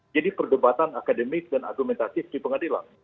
jadi perdebatan akademik dan argumentatif di pengadilan